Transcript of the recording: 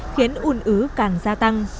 khiến ùn ứ càng gia tăng